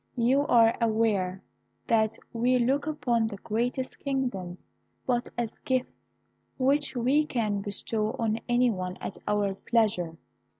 You are aware that we look upon the greatest kingdoms but as gifts which we can bestow on any one at our pleasure.